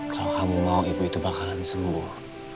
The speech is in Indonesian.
kalau kamu mau ibu itu bakalan sembuh